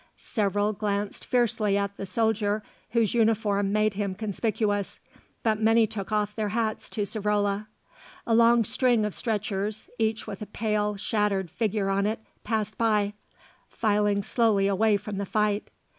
Several glanced fiercely at the soldier whose uniform made him conspicuous; but many took off their hats to Savrola. A long string of stretchers, each with a pale, shattered figure on it, passed by, filing slowly away from the fight.